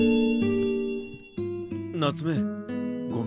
なつめごめんよ。